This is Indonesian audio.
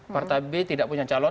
partai b tidak punya calon